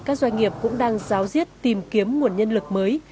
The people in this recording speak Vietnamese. các doanh nghiệp cũng đang giáo diết tìm kiếm nguồn nhân lực mới